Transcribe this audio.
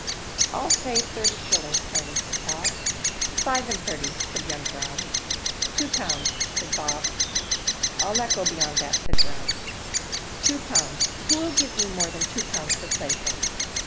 "I'll say thirty shillings, Tony," said Bob. "Five and thirty," said young Brown. "Two pounds," said Bob. "I'll not go beyond that," said Brown. "Two pounds who'll give more than two pounds for Playful?